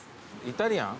イタリアン？